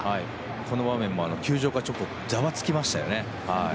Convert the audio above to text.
この場面も球場がざわつきましたよね。